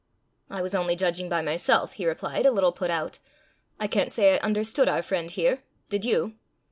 "I was only judging by myself," he replied, a little put out. "I can't say I understood our friend here. Did you?"